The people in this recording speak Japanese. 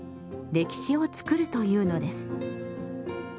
歴史を作るというのです。